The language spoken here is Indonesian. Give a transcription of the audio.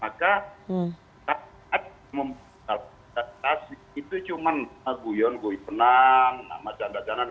maka saat memperkatasi itu cuma bu yon bu ipnang nama canda candan